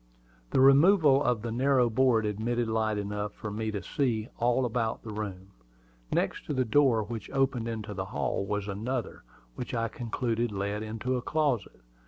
The removal of the narrow board admitted light enough to enable me to see all about the room. Next to the door which opened into the hall was another, which I concluded led into a closet.